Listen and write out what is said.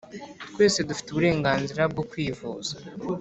Twese dufite uburenganzira bwo kwivuza.